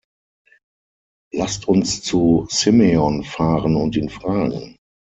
Lasst uns zu Simeon fahren und ihn fragen!